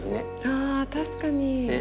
あ確かに。